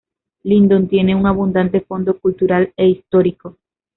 Lindon tiene un abundante fondo cultural e histórico.